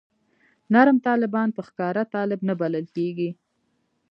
نرم طالبان په ښکاره طالب نه بلل کېږي.